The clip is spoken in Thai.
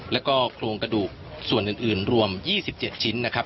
แล้วก็โครงกระดูกส่วนอื่นรวม๒๗ชิ้นนะครับ